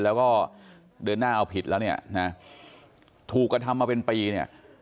แล้วก็เดินหน้าเอาผิดแล้วเนี่ยนะถูกกระทำมาเป็นปีเนี่ย